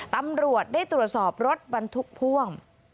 ตำรวจได้ตรวจสอบรถบรรทุกพ่วง